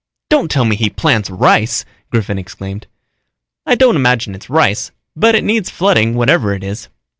"Don't tell me he plants rice!" Griffin exclaimed. "I don't imagine it's rice, but it needs flooding whatever it is."